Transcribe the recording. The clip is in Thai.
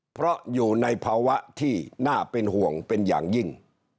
เพราะอยู่ในภาวะที่น่าเป็นห่วงเป็นอย่างยิ่ง